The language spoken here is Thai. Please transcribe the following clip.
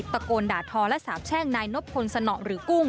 ตะโกนด่าทอและสาบแช่งนายนบพลสนหรือกุ้ง